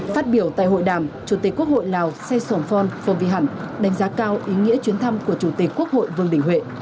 phát biểu tại hội đàm chủ tịch quốc hội lào sy sổn phon phong phong vy hẳn đánh giá cao ý nghĩa chuyến thăm của chủ tịch quốc hội vương đình huệ